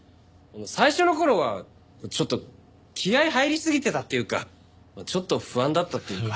最初の頃はちょっと気合入りすぎてたっていうかちょっと不安だったっていうか。